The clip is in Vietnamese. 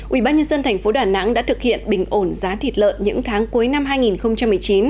ubnd tp đà nẵng đã thực hiện bình ổn giá thịt lợn những tháng cuối năm hai nghìn một mươi chín